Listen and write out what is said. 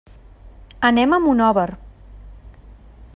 Anem a Monòver.